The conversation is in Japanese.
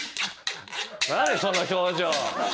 何その表情。